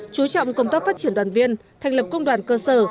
chú trọng công tác phát triển đoàn viên thành lập công đoàn cơ sở